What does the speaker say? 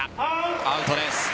アウトです。